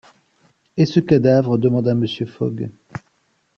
Et ce cadavre ? demanda Mr. Fogg.